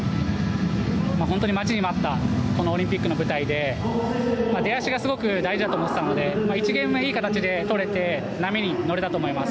待ちに待ったオリンピックの舞台で出だしがすごく大事だと思っていたので１ゲーム目いい形で取れて波に乗れたと思います。